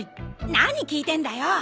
何聞いてんだよ。